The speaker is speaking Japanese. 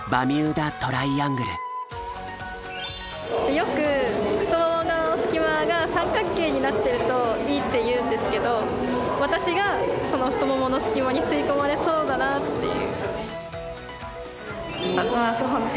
よく太ももの隙間が三角形になってるといいっていうんですけど私がその太ももの隙間に吸い込まれそうだなっていう。